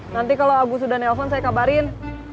nanti kalau agus udah nelpon saya kabarin